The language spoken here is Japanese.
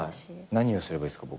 何をすればいいですか？